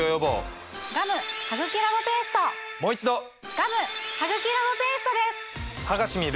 ガム・ハグキラボペーストです！